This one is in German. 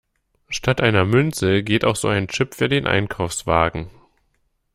Statt einer Münze geht auch so ein Chip für den Einkaufswagen.